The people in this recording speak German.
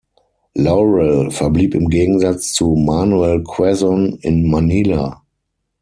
Laurel verblieb im Gegensatz zu Manuel Quezon in Manila.